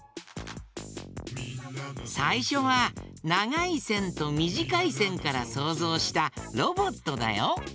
さいしょはながいせんとみじかいせんからそうぞうしたロボットだよ。